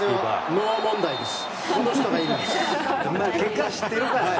ノー問題です。